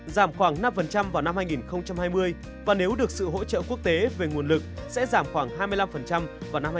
giảm khoảng năm vào năm hai nghìn hai mươi và nếu được sự hỗ trợ quốc tế về nguồn lực sẽ giảm khoảng hai mươi năm vào năm hai nghìn hai mươi